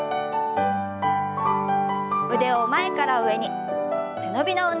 腕を前から上に背伸びの運動から。